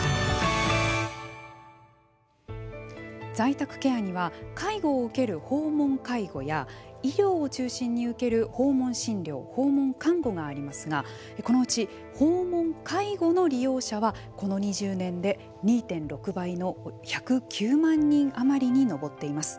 在宅ケアには介護を受ける訪問介護や医療を中心に受ける訪問診療訪問看護がありますがこのうち訪問介護の利用者はこの２０年で２．６倍の１０９万人余りに上っています。